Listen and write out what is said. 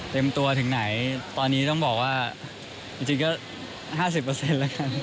เต็มตัวถึงไหนตอนนี้ต้องบอกว่าจริงก็๕๐แล้วกัน